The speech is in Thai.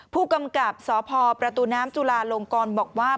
ผู้กำกับสพประตูน้ำจุลาลงกรบอกว่า